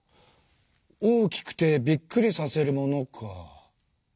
大きくてびっくりさせるものか。